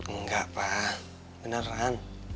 enggak pak beneran